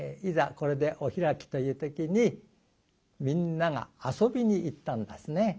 これでお開きという時にみんなが遊びに行ったんですね。